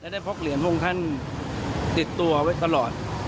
ได้พกเหรียญพระองค์ท่านติดตัวไว้ตลอด